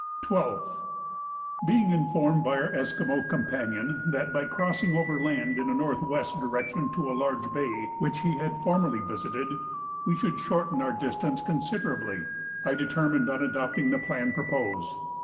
12th. Being informed by our Esquimaux companion that, by crossing over land in a north west direction to a large bay which he had formerly visited, we should shorten our distance considerably, I determined on adopting the plan proposed.